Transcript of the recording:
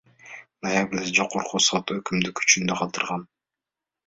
Ноябрда Жогорку сот өкүмдү күчүндө калтырган.